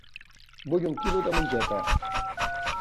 Vull un quilo de mongeta.